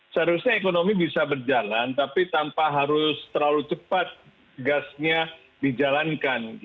seharusnya ekonomi bisa berjalan tapi tanpa harus terlalu cepat gasnya dijalankan